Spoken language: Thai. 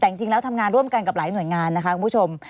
แต่จริงแล้วทำงานร่วมกันกับหลายหน่วยงานนะคะคุณผู้ชม